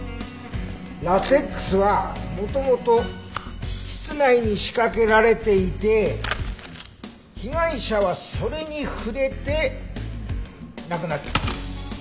ラテックスは元々室内に仕掛けられていて被害者はそれに触れて亡くなった。